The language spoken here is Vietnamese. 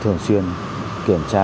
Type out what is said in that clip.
thường xuyên kiểm tra